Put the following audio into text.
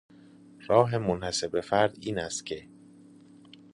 راه منحصر به فرد اینست که...